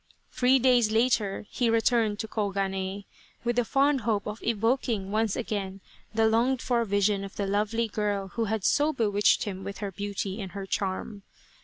Three days later he returned to Koganei, with the fond hope of evoking once again the longed for vision of the lovely girl who had so bewitched him with her beauty and her charm.